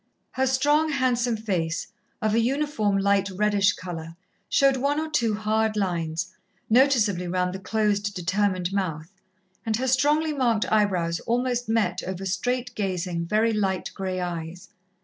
Her strong, handsome face, of a uniform light reddish colour, showed one or two hard lines, noticeably round the closed, determined mouth, and her strongly marked eyebrows almost met over straight gazing, very light grey eyes.